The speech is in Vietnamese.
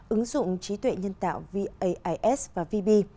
ứng dụng trí tuệ nhân tạo vais và vb